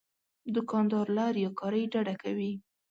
دوکاندار له ریاکارۍ ډډه کوي.